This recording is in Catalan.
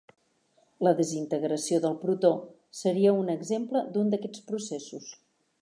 La desintegració del protó seria ser un exemple d'un d'aquests processos.